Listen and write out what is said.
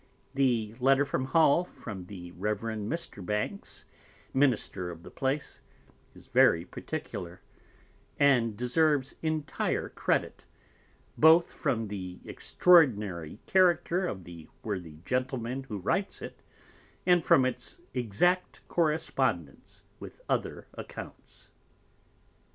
The Letter from Hull, from the Reverend Mr. Banks, Minister of the Place, is very particular, and deserves intire Credit, both from the extraordinary Character of the worthy Gentleman who writes it, and from its exact Correspondence with other Accounts.